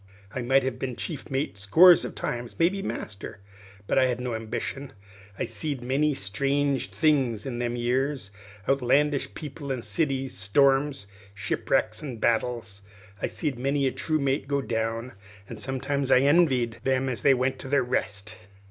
I might have been chief mate scores of times, maybe master; but I hadn't no ambition. I seed many strange things in them years outlandish people an' cities, storms, shipwracks, an' battles. I seed many a true mate go down, an' sometimes I envied them what went to their rest.